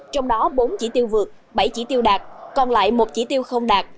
trong đó bốn chỉ tiêu vượt bảy chỉ tiêu đạt còn lại một chỉ tiêu không đạt